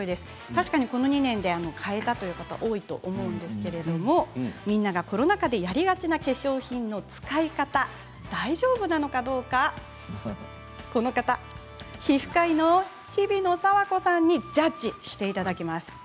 確かにこの２年に変えたという方多いと思うんですがみんながコロナ禍でやりがちな化粧品の使い方が大丈夫なのかどうか皮膚科医の日比野佐和子さんにジャッジしていただきます。